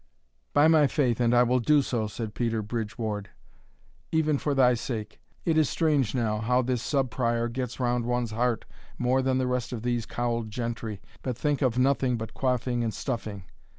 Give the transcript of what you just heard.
"By my faith, and I will do so," said Peter Bridge Ward, "even for thy sake It is strange now, how this Sub Prior gets round one's heart more than the rest of these cowled gentry, that think of nothing but quaffing and stuffing!